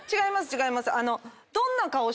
違います。